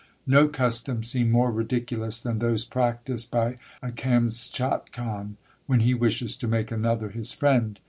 No customs seem more ridiculous than those practised by a Kamschatkan, when he wishes to make another his friend.